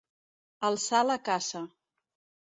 Alçar la caça.